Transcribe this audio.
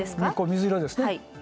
水色ですね。